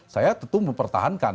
saya tetap mempertahankan